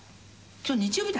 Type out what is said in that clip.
今日日曜日だ。